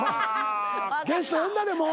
ゲスト呼んだれもう。